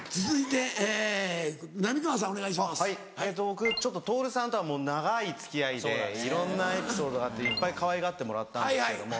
僕徹さんとは長い付き合いでいろんなエピソードがあっていっぱいかわいがってもらったんですけども。